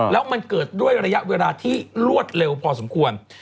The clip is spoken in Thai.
แล้วมันเกิดด้วยระยะเวลาที่รวดเร็วพอสมควร